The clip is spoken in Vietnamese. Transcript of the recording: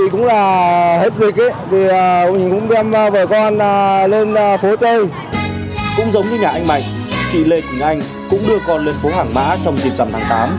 cũng giống như nhà anh mạnh chị lê quỳnh anh cũng đưa con lên phố hàng mã trong dịp dằm tháng tám